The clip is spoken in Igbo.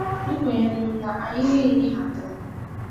Ekwenyere m na anyị niile hà nhata.